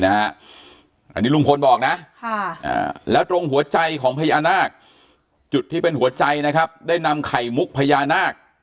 อันนี้ลุงพลบอกนะแล้วตรงหัวใจของพญานาคจุดที่เป็นหัวใจนะครับได้นำไข่มุกพญานาค